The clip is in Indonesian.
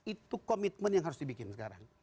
itu komitmen yang harus dibikin sekarang